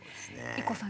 ＩＫＫＯさん